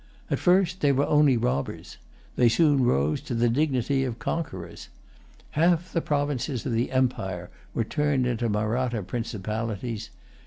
At first they were only robbers. They soon rose to the dignity of conquerors. Half the provinces of the empire were turned into Mahratta principalities.